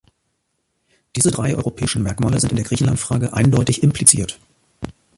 Diese drei europäischen Merkmale sind in der Griechenland-Frage eindeutig impliziert.